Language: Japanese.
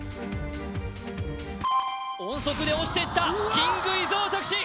音速で押していったキング伊沢拓司